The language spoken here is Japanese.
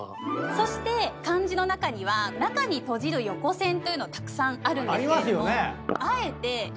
そして漢字の中には中に閉じる横線というのたくさんあるんですけれどもあえて両サイドに。